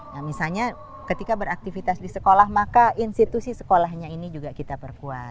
nah misalnya ketika beraktivitas di sekolah maka institusi sekolahnya ini juga kita perkuat